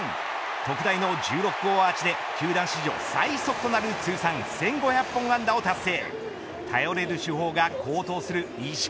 特大の１６号アーチで球団史上最速となる通算１５００本安打を達成。